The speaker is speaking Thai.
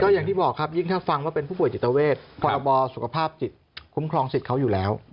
อย่างที่บอกครับยิ่งถ้าฟังว่าเป็นผู้ป่วยจิตเวทพรบสุขภาพจิตคุ้มครองสิทธิ์เขาอยู่แล้ว